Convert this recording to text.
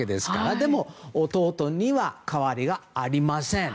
でも弟には変わりはありません。